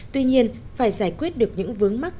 tuy nhiên phải giải quyết được những vướng mắt